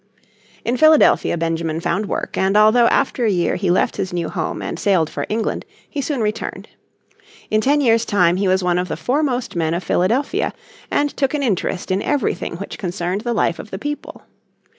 In Philadelphia Benjamin found work, and although after a year he left his new home and sailed for England, he soon returned. In ten years' time he was one of the fore most men of Philadelphia and took an interest in everything which concerned the life of the people.